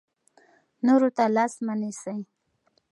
نورو ته لاس مه نیسئ.